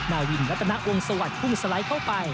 มาวิ่งลักษณะวงสวรรค์พุ่งสไลด์เข้าไป